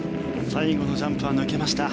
最後のジャンプは抜けました。